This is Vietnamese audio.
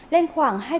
lên khoảng hai triệu